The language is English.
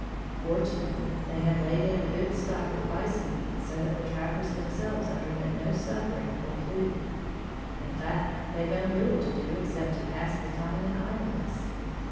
Fortunately, they had laid in a good stock of bison meat so that the trappers themselves underwent no suffering for food. In fact, they found little to do except to pass the time in idleness.